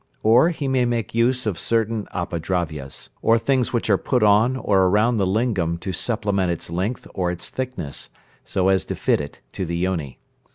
Or, he may make use of certain Apadravyas, or things which are put on or around the lingam to supplement its length or its thickness, so as to fit it to the yoni.